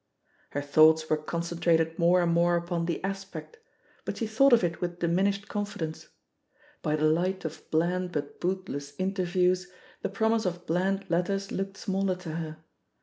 Her thoughts were concen trated more and more upon The Aspect, but she thought of it with diminished confidence ; by the light of bland but bootless interviews, the promise of bland letters looked smaller to her.